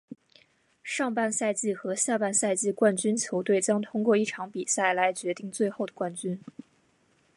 上半赛季和下半赛季冠军球队将通过一场比赛来决定最后的冠军。